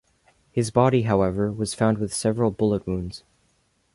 His body, however, was found with several bullet wounds.